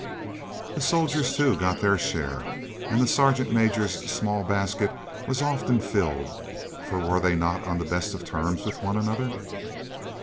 The soldiers, too, got their share, and the sergeant major's small basket was often filled for were they not on the best of terms with one another?